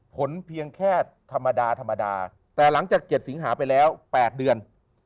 เพียงแค่ธรรมดาธรรมดาแต่หลังจาก๗สิงหาไปแล้ว๘เดือน